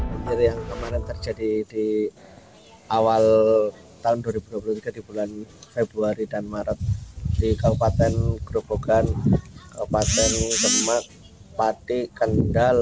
mencapai dua dua ratus tiga puluh sembilan hektare gagal panen